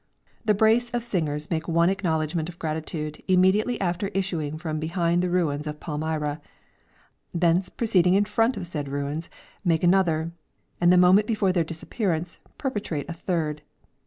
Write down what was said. The brace of singers make one acknowledgment of gratitude immediately after issuing from behind the ruins of Palmyra, thence proceeding in front of said ruins, make another, and the moment before their disappearance perpetrate a third.